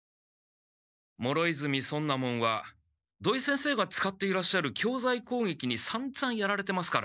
諸泉尊奈門は土井先生が使っていらっしゃる教材攻撃にさんざんやられてますから。